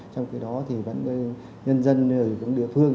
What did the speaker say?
trong khi đó thì vẫn nhân dân ở những địa phương